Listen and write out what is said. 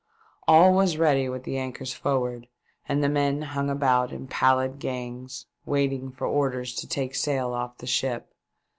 All was ready with the anchors forward, and the men hung about in pallid gangs waiting for orders to take sail off the ship.